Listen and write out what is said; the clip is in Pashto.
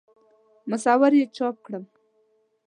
مصور یې چاپ کړم.